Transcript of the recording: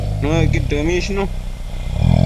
Nuëcqud dëmishnu